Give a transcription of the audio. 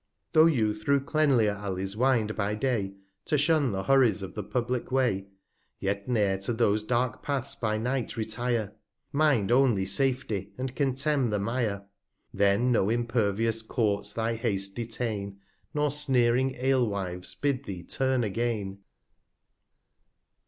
Though you through cleanlier Allies wind by Day, To shun the Hurries of the publick Way, Yet ne'er to those dark Paths by Night retire ; Mind only Safety, and contemn the Mire. 130 3 8 I A Then no impervious Courts thy Haste detain, Nor sneering Ale Wives bid thee turn again.